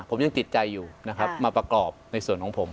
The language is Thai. ผมยังติดใจอยู่นะครับมาประกอบในส่วนของผม